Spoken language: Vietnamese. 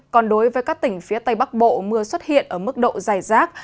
còn đối với các tỉnh phía tây bắc bộ mưa xuất hiện ở mức độ dài rác